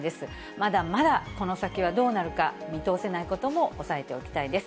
まだまだこの先はどうなるか、見通せないことも押さえておきたいです。